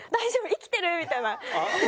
生きてる？みたいな。